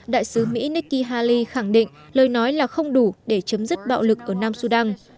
đại sứ mỹ nikki haley khẳng định lời nói là không đủ để chấm dứt bạo lực ở nam sudan